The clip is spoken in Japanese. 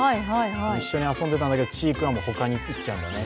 一緒に遊んでたんだけど、ちー君は他にいっちゃうんだね。